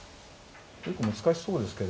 結構難しそうですけど。